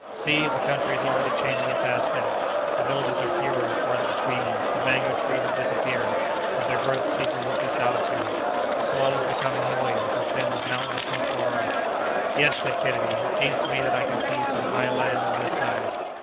See! the country is already changing its aspect: the villages are fewer and farther between; the mango trees have disappeared, for their growth ceases at this latitude. The soil is becoming hilly and portends mountains not far off." "Yes," said Kennedy, "it seems to me that I can see some high land on this side."